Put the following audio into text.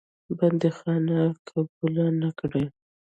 بندیخانه قبوله نه کړې.